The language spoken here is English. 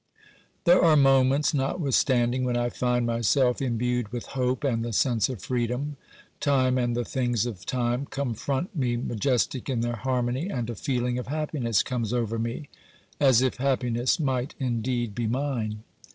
There are moments, notwithstanding, when I find myself imbued with hope and the sense of freedom ; time and the things of time confront me majestic in their harmony, and a feeling of happiness comes over me, as if happiness might indeed be mine.